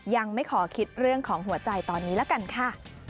ยังไม่ขอคิดเรื่องของหัวใจตอนนี้ละกันค่ะ